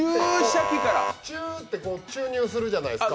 チューッて注入するじゃないですか。